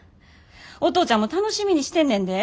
お父ちゃんも楽しみにしてんねんで。